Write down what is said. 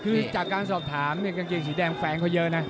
คือจากการสอบถามเนี่ยกางเกงสีแดงแฟนเขาเยอะนะ